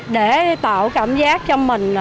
để tạo cảm giác cho mình